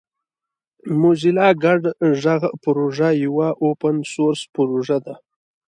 موزیلا ګډ غږ پروژه یوه اوپن سورس پروژه ده.